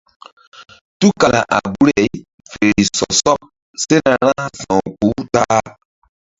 Tukala a guri-ay fe ri sɔ sɔɓ sena ra sa̧wkpuh-u ta-a.